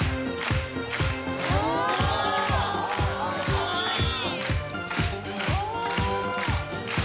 かわいい。